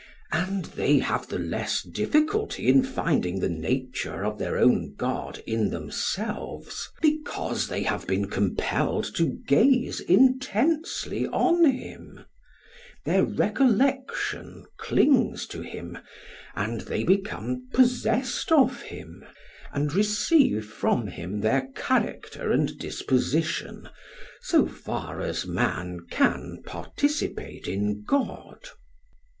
And they have the less difficulty in finding the nature of their own god in themselves, because they have been compelled to gaze intensely on him; their recollection clings to him, and they become possessed of him, and receive from him their character and disposition, so far as man can participate in God.